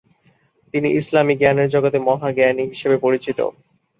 তিনি ইসলামি জ্ঞানের জগতে ‘মহা জ্ঞানী’ হিসেবে পরিচিত।